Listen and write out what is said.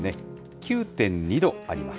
９．２度あります。